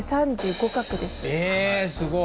えすごい。